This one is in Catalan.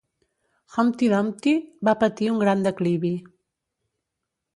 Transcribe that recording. Humpty Dumpty va patir un gran declivi.